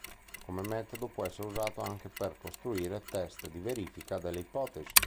Questo metodo può essere usato anche per costruire test di verifica delle ipotesi.